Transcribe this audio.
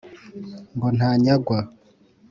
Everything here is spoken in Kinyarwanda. ngo ntanyagwa